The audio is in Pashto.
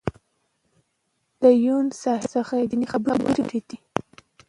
د یون صاحب څخه دینی خبرې واورېدې.